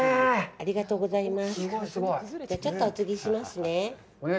ありがとうございます。